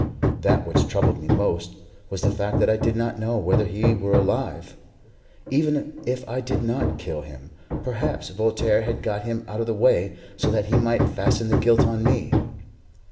That which troubled me most was the fact that I did not know whether he were alive. Even if I did not kill him, perhaps Voltaire had got him out of the way so that he might fasten the guilt on me.